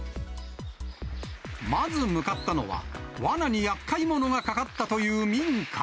まず向かったのは、わなにやっかい者がかかったという民家。